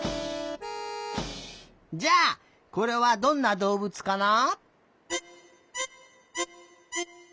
じゃあこれはどんなどうぶつかな？